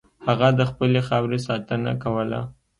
هغه د خپلې خاورې ساتنه کوله.